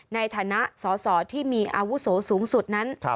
ในฐานะสอสอที่มีอาวุโสสูงสุดนั้น